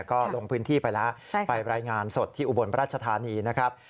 ก็ลงพื้นที่ไปแล้วไปรายงานสดที่อุบลราชธานีนะครับ